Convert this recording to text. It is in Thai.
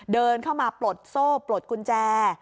เดินเข้ามาปลดโซ่ปลดกุญแจ